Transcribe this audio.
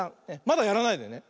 まだやらないでね。